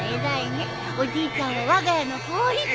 おじいちゃんはわが家の法律だよ。